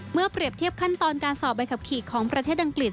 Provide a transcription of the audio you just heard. เปรียบเทียบขั้นตอนการสอบใบขับขี่ของประเทศอังกฤษ